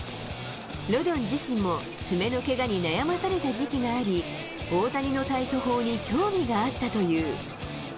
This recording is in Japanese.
ロドン自身も爪のけがに悩まされた時期があり、大谷の対処法に興味があったという。